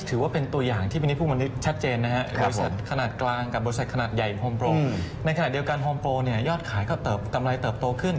โฮมโปรในขณะเดียวกันโฮมโปรยอดขายก็เติบกำไรเติบโตขึ้น